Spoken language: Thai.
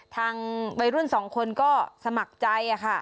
ทั้งบ่อยรุ่นสองคนก็สมัครใจค่ะ